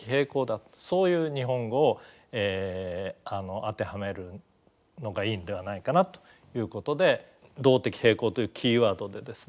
そういう日本語を当てはめるのがいいんではないかなということで動的平衡というキーワードでですね